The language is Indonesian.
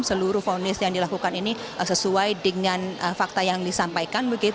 seluruh vonis yang dilakukan ini sesuai dengan fakta yang disampaikan